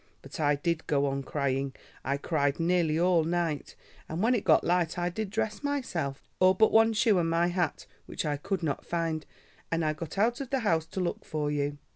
But I did go on crying. I cried nearly all night, and when it got light I did dress myself, all but one shoe and my hat, which I could not find, and I got out of the house to look for you."